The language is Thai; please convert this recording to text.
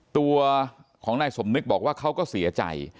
ตัวของนายสมนึกบอกว่าเขาก็เสียใจ